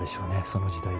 その時代で。